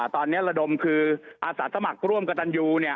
ตอนนี้ระดมคืออาสาสมัครร่วมกับตันยู